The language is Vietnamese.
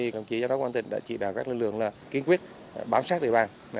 công chí giám đốc quản tình đã chỉ đạo các lực lượng kiên quyết bám sát địa bàn